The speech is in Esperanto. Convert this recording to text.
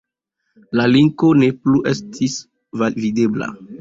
La linko ne plu estis videbla.